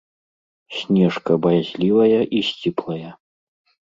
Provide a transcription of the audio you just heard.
Снежка баязлівая і сціплая.